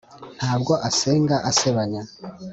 ntabwo asenga asebanya